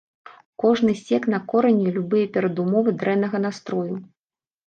Кожны сек на кораню любыя перадумовы дрэннага настрою.